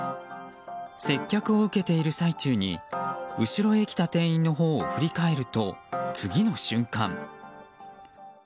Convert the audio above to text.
接客を受けている最中に後ろへ来た店員のほうを振り返ると次の瞬間。